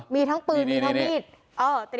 มีทั้งปืนคือมีทั้งมิตร